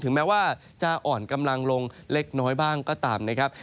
แม้ว่าจะอ่อนกำลังลงเล็กน้อยบ้างก็ตามนะครับ